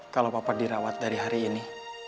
kalo papa dirawat dari hari ini